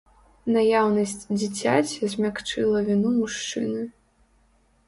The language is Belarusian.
Наяўнасць дзіцяці змякчыла віну мужчыны.